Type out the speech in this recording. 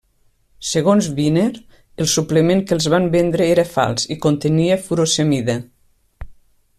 Segons Viner, el suplement que els van vendre era fals i contenia furosemida.